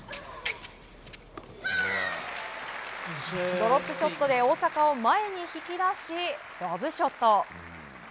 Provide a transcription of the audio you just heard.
ドロップショットで大坂を前に引き出しロブショット。